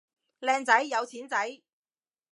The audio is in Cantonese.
靚仔有錢仔